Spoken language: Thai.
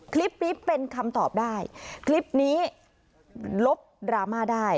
คลิปนี้เป็นคำตอบได้คลิปนี้ลบดราม่าได้